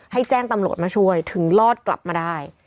แจ้งตำรวจมาช่วยถึงรอดกลับมาได้